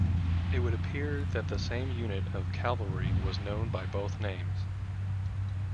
It would appear that the same unit of cavalry was known by both names.